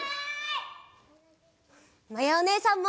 まやおねえさんも。